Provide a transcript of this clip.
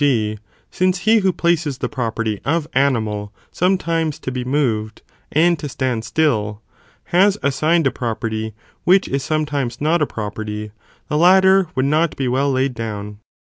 g. since he who places the property of animal sometimes to be moved and to stand still, has assigned a property which is sometimes not a property, the latter would not be well laid down.